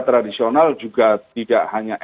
tradisional juga tidak hanya